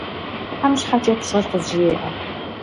Тхьэм щхьэкӏэ пщӏэр къызжеӏэ!